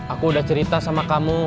aku udah cerita sama kamu